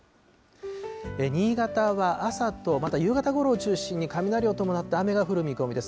新潟は朝と、また夕方ごろを中心に、雷を伴って雨が降る見込みです。